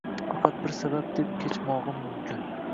Faqat bir sabab deb kechmogim mumkin: